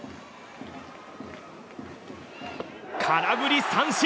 空振り三振！